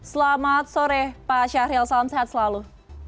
selamat sore pak syahril salam sehat selalu